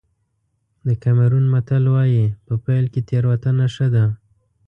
د کېمرون متل وایي په پيل کې تېروتنه ښه ده.